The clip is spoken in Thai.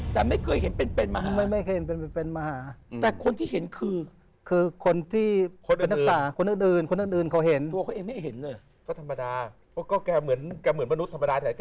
ก็แกเหมือนมนุษย์ธรรมดาแถวนี้แกเหมือนคนบ้าบ้าบ่อนะดูนึง